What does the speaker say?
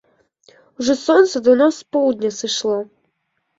Ужо сонца даўно з поўдня сышло.